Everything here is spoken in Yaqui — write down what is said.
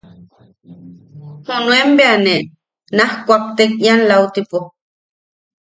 Junuen bea ne naj kuaktek ian lautipo.